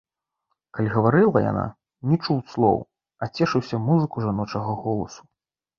Калі гаварыла яна, не чуў слоў, а цешыўся музыкаю жаночага голасу.